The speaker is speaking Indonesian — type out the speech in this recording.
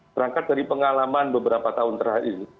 berangkat dari pengalaman beberapa tahun terakhir ini